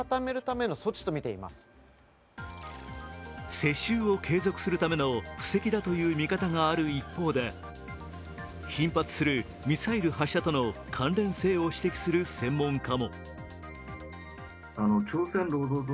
世襲を継続するための布石だという見方がある一方で頻発するミサイル発射との関連性を指摘する専門家も。